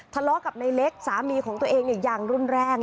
ทะเลาะกับในเล็กสามีของตัวเองอย่างรุ่นแรก